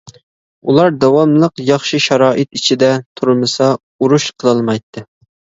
ئۇلار داۋاملىق ياخشى شارائىت ئىچىدە تۇرمىسا ئۇرۇش قىلالمايتتى.